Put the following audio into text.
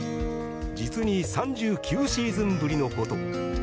実に３９シーズンぶりのこと。